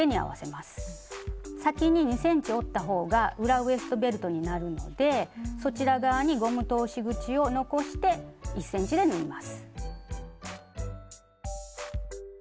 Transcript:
先に２ｃｍ折った方が裏ウエストベルトになるのでそちら側にゴム通し口を残して１ｃｍで縫います。